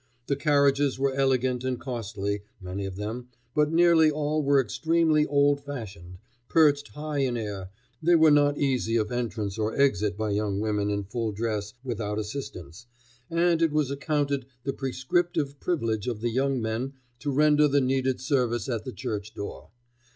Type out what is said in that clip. The carriages were elegant and costly, many of them, but nearly all were extremely old fashioned; perched high in air, they were not easy of entrance or exit by young women in full dress without assistance, and it was accounted the prescriptive privilege of the young men to render the needed service at the church door.